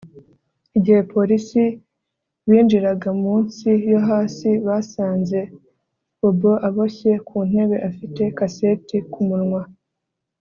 Igihe abapolisi binjiraga mu nsi yo hasi basanze Bobo aboshye ku ntebe afite kaseti ku munwa